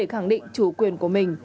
khẳng định chủ quyền của mình